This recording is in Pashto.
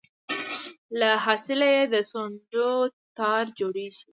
له حاصله یې د سونډو تار جوړیږي